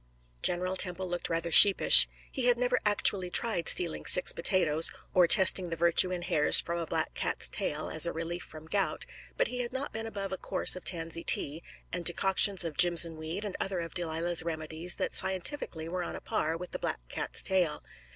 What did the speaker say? General Temple looked rather sheepish. He had never actually tried stealing six potatoes, or testing the virtue in hairs from a black cat's tail, as a relief from gout, but he had not been above a course of tansy tea, and decoctions of jimson weed, and other of Delilah's remedies that scientifically were on a par with the black cat's tail.